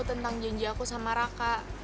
tentang janji aku sama raka